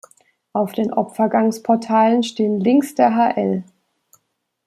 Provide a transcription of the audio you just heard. Auf den Opfergangsportalen stehen links der hl.